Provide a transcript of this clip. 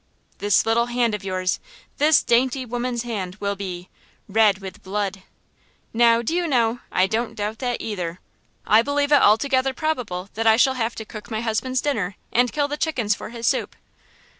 "This little hand of yours–this dainty woman's hand–will be–red with blood!" "Now, do you know, I don't doubt that either? I believe it altogether probable that I shall have to cook my husband's dinner and kill the chickens for his soup!"